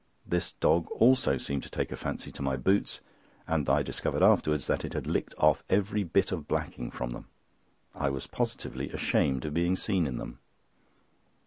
This dog also seemed to take a fancy to my boots, and I discovered afterwards that it had licked off every bit of blacking from them. I was positively ashamed of being seen in them.